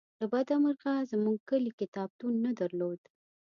له بده مرغه زمونږ کلي کتابتون نه درلوده